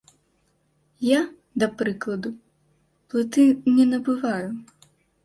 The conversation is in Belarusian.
Я, да прыкладу, плыты не набываю.